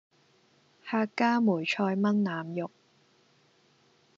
客家梅菜炆腩肉